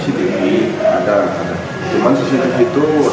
cuman cctv itu hanya mengarah ke arah platform